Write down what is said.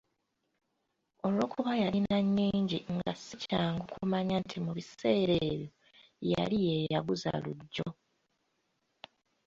Olwokuba yalina nyingi nga si kyangu kumanya nti mu biseera ebyo yali yeeyaguza lujjo.